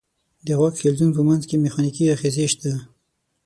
د غوږ حلزون په منځ کې مېخانیکي آخذې شته.